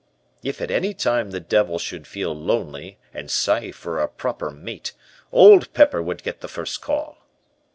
If at any time the devil should feel lonely, and sigh for a proper mate, Old Pepper would get the first call.